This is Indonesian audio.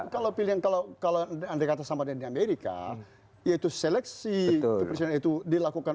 kalau pilihan kalau andai kata sama dengan di amerika yaitu seleksi ke presiden itu dilakukan